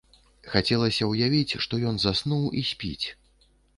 Хацелася ўявіць, што ён заснуў і спіць.